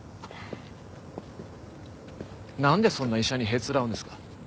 なんでそんな医者にへつらうんですか？